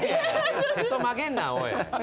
へそ曲げんなおい。